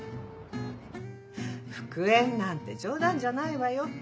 復縁なんて冗談じゃないわよ。